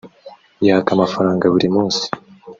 yaka amafaranga buri munsi